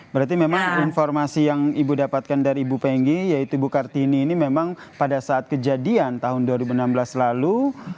berarti memang informasi yang ibu dapatkan dari ibu penggi yaitu ibu kartini ini memang pada saat kejadian tahun dua ribu enam belas lalu